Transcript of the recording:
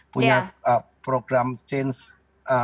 punya program change